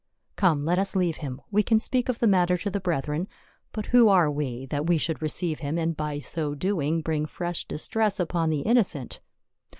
" Come, let us leave him ; we can speak of the mat ter to the brethren, but who are we, that we should receive him, and by so doing bring fresh distress upon the innocent?